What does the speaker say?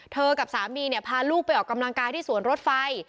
กับสามีเนี่ยพาลูกไปออกกำลังกายที่สวนรถไฟ